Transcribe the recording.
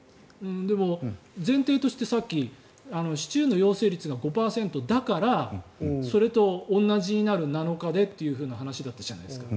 でも前提としてさっき、市中の陽性率が５％だからそれと同じになる７日でという話だったじゃないですか。